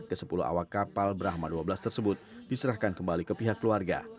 ke sepuluh awak kapal brahma dua belas tersebut diserahkan kembali ke pihak keluarga